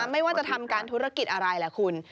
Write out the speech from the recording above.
ไม่ว่าจะทำการธุรกิจอะไรแหละคุณ